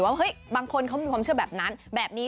ว่าเฮ้ยบางคนเขามีความเชื่อแบบนั้นแบบนี้